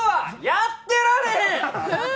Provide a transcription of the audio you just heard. やってられへん！